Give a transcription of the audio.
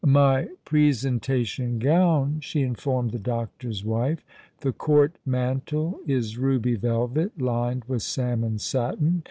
" My presentation gown," she informed the doctor's wife ;" the Court mantle is ruby velvet, lined with salmon satin.